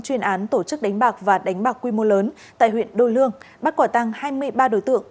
chuyên án tổ chức đánh bạc và đánh bạc quy mô lớn tại huyện đô lương bắt quả tăng hai mươi ba đối tượng